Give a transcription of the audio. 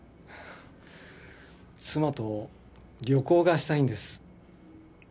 妻と旅行がしたいんです